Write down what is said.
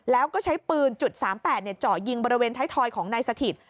แล้วก็ใช้ปืนจุด๓๘จ่อยิงบริเวณท้ายทอยของนายสถิตร์